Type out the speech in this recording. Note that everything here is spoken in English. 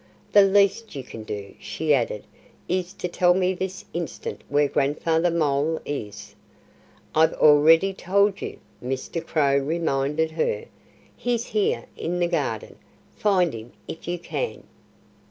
The least you can do," she added, "is to tell me this instant where Grandfather Mole is." "I've already told you," Mr. Crow reminded her. "He's here in the garden. Find him if you can!"